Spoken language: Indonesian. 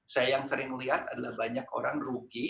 saya yang sering lihat adalah banyak orang rugi